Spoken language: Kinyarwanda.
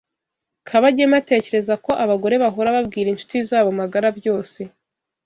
Kabagema atekereza ko abagore bahora babwira inshuti zabo magara byose.